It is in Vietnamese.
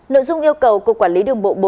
nội dung yêu cầu cục quản lý đường bộ bốn